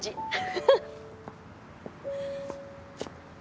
フフフッ！